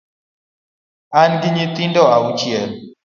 An gi nyithindo auchiel